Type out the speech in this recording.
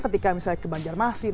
ketika misalnya ke banjarmasin